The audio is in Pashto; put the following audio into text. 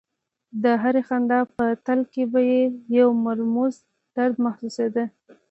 د هرې خندا په تل کې به یې یو مرموز درد محسوسېده